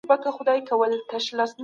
نامسلکي کار ټولنې ته زیان رسوي.